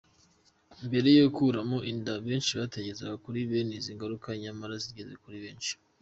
Mbere yo gukuramo inda, benshi ntibatekereza kuri bene izi ngaruka nyamara zigera kuri benshi.